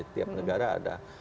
tiap negara ada